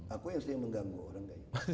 aku yang sering mengganggu orang kayaknya